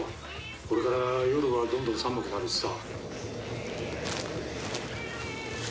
これから夜はどんどん寒くなるしさ。